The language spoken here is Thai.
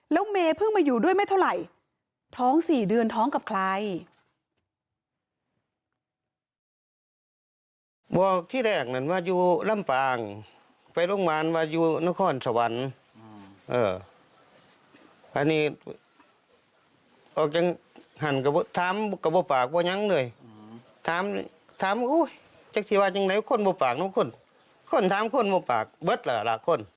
แล้วเมย์เพิ่งมาอยู่ด้วยไม่เท่าไหร่ท้อง๔เดือนท้องกับใคร